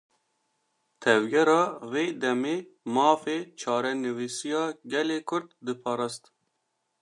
Tevgera wê demê, mafê çarenivîsiya gelê Kurd diparast